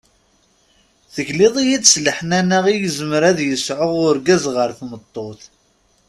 Tegliḍ-iyi-d s leḥnana i yezmer ad yesɛu urgaz ɣer tmeṭṭut.